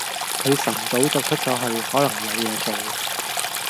佢晨早就出咗去，可能有嘢做